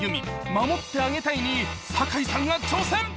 「守ってあげたい」に坂井さんが挑戦！